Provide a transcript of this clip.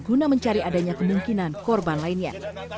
guna mencari adanya kemungkinan korban lainnya